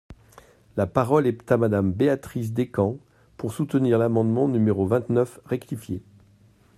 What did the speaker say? La parole est à Madame Béatrice Descamps, pour soutenir l’amendement numéro vingt-neuf rectifié.